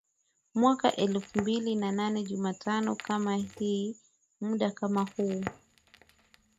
mwaka elfu mbili na nne jumatano kama hii muda kama huu